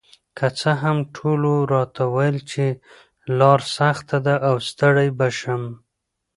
که څه هم ټولو راته ویل چې لار سخته ده او ستړې به شم،